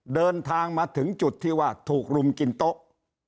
เดินทางมาถึงจุดที่ว่าถูกรุมกินโต๊ะ